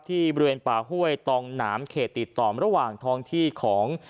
บริเวณป่าห้วยตองหนามเขตติดต่อระหว่างท้องที่ของ